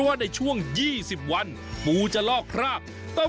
วันนี้พาลงใต้สุดไปดูวิธีของชาวเล่น